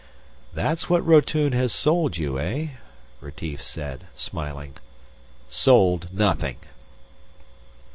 "That's what Rotune has sold you, eh?" Retief said, smiling. "Sold, nothing!"